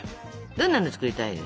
どんなの作りたいですか？